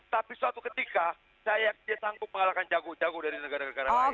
tapi suatu ketika saya sanggup mengalahkan jago jago dari negara negara lain